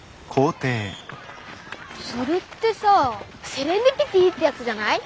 それってさセレンディピティってやつじゃない？